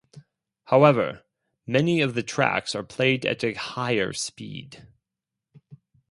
However, many of the tracks are played at a higher speed.